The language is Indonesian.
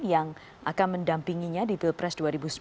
yang akan mendampinginya di pilpres dua ribu sembilan belas